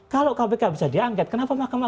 kalau kpk bisa diangket kenapa mahkamah